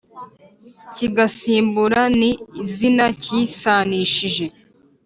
kigasimbura ni zina kisanishije